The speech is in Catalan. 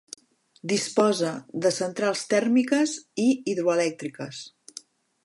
Disposa de centrals tèrmiques i hidroelèctriques.